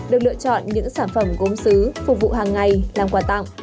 được lựa chọn những sản phẩm gốm xứ phục vụ hàng ngày làm quà tặng